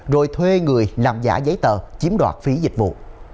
rồi thuê người làm giả giấy tờ chiếm đoạt phí dịch vụ